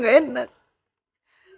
dia benar sekali